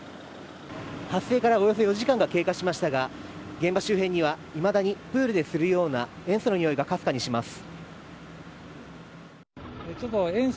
発生からおよそ４時間が経過しましたが現場周辺にはいまだにプールでするような塩素のにおいがかすかにします。